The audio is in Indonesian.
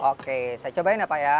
oke saya cobain ya pak ya